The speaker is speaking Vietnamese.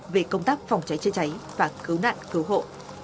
về công tác phòng cháy chữa cháy và cứu nạn cứu hộ